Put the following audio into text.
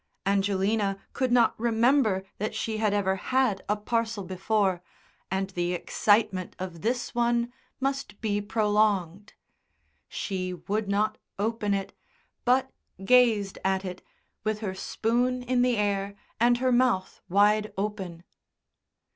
Angelina could not remember that she had ever had a parcel before, and the excitement of this one must be prolonged. She would not open it, but gazed at it, with her spoon in the air and her mouth wide open.